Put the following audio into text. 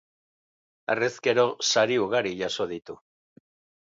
Harrezkero sari ugari jaso ditu.